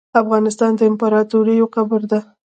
افغانستان د امپراتوریو قبر ده .